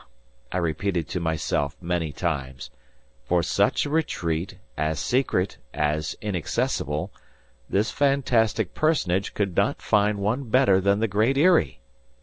I repeated to myself, many times, "for such a retreat, as secret as inaccessible, this fantastic personage could not find one better than the Great Eyrie!"